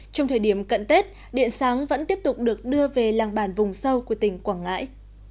trong thời điểm cận tết điện sáng vẫn tiếp tục được đưa về làng bản vùng sâu của tỉnh quảng ngãi